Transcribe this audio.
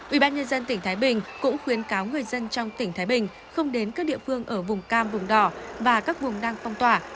ubnd tỉnh thái bình cũng khuyến cáo người dân trong tỉnh thái bình không đến các địa phương ở vùng cam vùng đỏ và các vùng đang phong tỏa